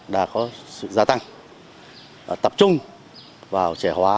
đã có sự gia tăng tập trung vào trẻ hóa